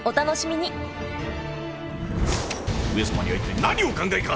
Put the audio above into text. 上様には一体何をお考えか。